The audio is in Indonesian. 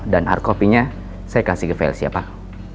dan hardcopy nya saya kasih ke vlc pak